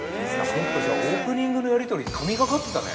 ◆ちょっとじゃあ、オープニングのやりとり、神がかってたね。